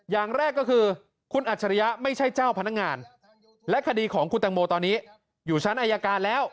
อย่างแรกก็คือคุณอัจฉริยะไม่ใช่เจ้าพนักงานและคดีของคุณตังโมตอนนี้อยู่ชั้นอายการแล้ว